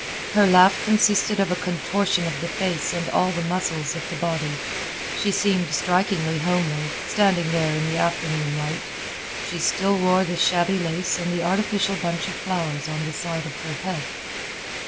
Her laugh consisted of a contortion of the face and all the muscles of the body. She seemed strikingly homely, standing there in the afternoon light. She still wore the shabby lace and the artificial bunch of violets on the side of her head.